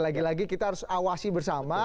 lagi lagi kita harus awasi bersama